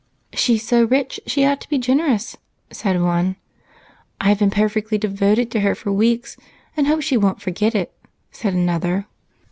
'She's so rich she ought to be generous,' said one. 'I've been perfectly devoted to her for weeks and hope she won't forget it,' said another.